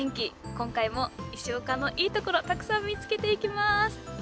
今回も石岡のいいところたくさん見つけていきます！